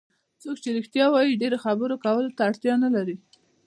څوک چې رښتیا وایي ډېرو خبرو کولو ته اړتیا نه لري.